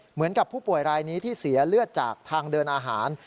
เหมือนกับผู้ป่วยรายนี้ที่เสียเลือดจากทางเดินอาหาร